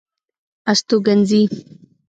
استوګنځي